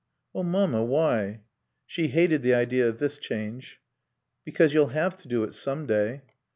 "Oh, Mamma, why?" She hated the idea of this change. "Because you'll have to do it some day."